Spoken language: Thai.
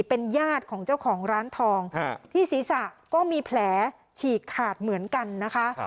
เป็นญาติของเจ้าของร้านทองที่ศีรษะก็มีแผลฉีกขาดเหมือนกันนะคะ